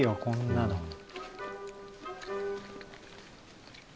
こんなの。